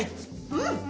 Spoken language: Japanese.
うん！